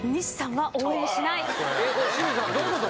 清水さんどういうこと？